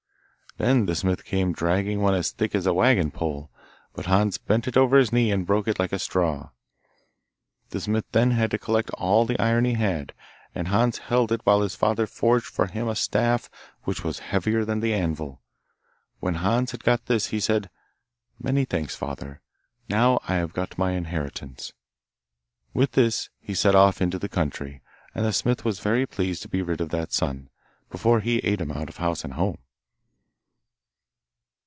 Then the smith came dragging one as thick as a waggon pole, but Hans bent it over his knee and broke it like a straw. The smith then had to collect all the iron he had, and Hans held it while his father forged for him a staff, which was heavier than the anvil. When Hans had got this he said, 'Many thanks, father; now I have got my inheritance.' With this he set off into the country, and the smith was very pleased to be rid of that son, before he ate him out of house and home.